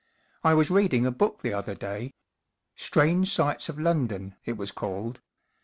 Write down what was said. I was reading a book the other day* 1 Strange Sights of London/ it was called.